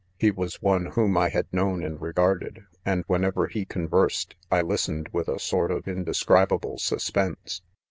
He was one whom I had known and regarded ; and whenever he con versed I listened with a sort of indescribable suspense.